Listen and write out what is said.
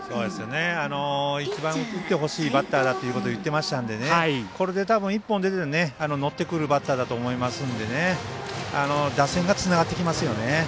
一番打ってほしいバッターだということを言っていましたのでこれで、たぶん１本出て乗ってくるバッターだと思いますので打線がつながってきますよね。